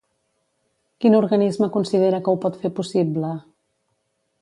Quin organisme considera que ho pot fer possible?